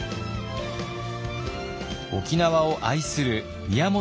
沖縄を愛する宮本